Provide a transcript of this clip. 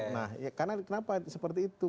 nah karena kenapa seperti itu